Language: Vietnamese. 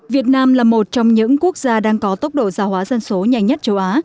việt nam là một trong những quốc gia đang có tốc độ gia hóa dân số nhanh nhất châu á